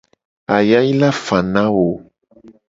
Ayayi la fa na wo.